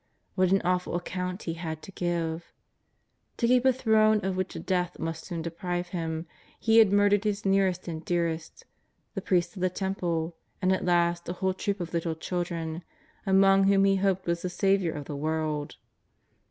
What an awful account he had to give ! To keep a throne of which death must soon deprive him, he had murdered his nearest and dearest, the priests of the Temple, and at last a whole troop of little children, among whom he hoped was the Saviour of the world.